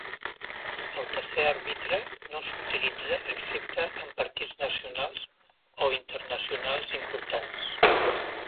El tercer arbitre no s'utilitza excepte en partits nacionals o internacionals importants.